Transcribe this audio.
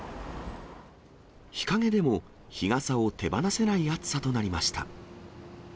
日陰でも、日傘を手放せない暑さとなりました。